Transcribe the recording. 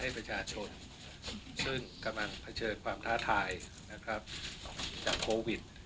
ประชาชนซึ่งกำลังเผชิญความท้าทายนะครับจากโควิด